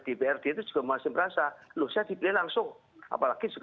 dprd itu juga masih merasa loh saya dipilih langsung apalagi